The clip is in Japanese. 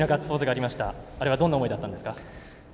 あれはどんな思いだったんですか。